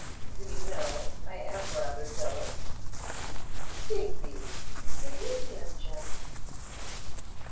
Do you know, I am rather jealous?' 'Digby! can you be ungenerous?